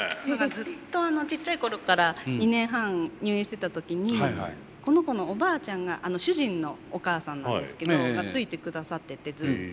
ずっとちっちゃい頃から２年半入院してた時にこの子のおばあちゃんが主人のお母さんなんですけどついてくださっててずっと。